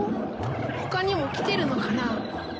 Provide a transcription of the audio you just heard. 他にも来てるのかな？